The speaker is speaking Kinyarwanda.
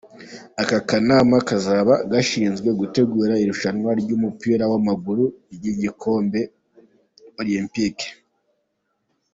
Aka kanama kazaba gashinzwe gutegura irushanwa ry’umupira w’amaguru ry’igikombe Olempike.